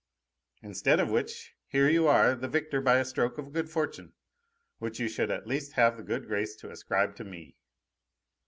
Instead of which, here you are, the victor by a stroke of good fortune, which you should at least have the good grace to ascribe to me."